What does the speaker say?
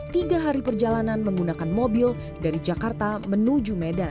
tiga hari perjalanan menggunakan mobil dari jakarta menuju medan